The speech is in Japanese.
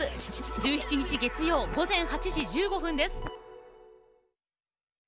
１７日月曜、午前８時１５分です。